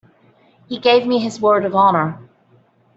He gave me his word of honor.